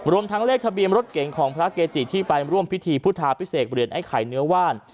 ทั้งเลขทะเบียนรถเก่งของพระเกจิที่ไปร่วมพิธีพุทธาพิเศษเหรียญไอ้ไข่เนื้อว่าน